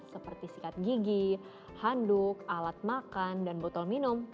seperti sikat gigi handuk alat makan dan botol minum